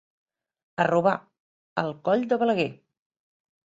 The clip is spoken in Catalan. A robar, al coll de Balaguer!